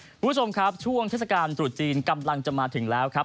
คุณผู้ชมครับช่วงเทศกาลตรุษจีนกำลังจะมาถึงแล้วครับ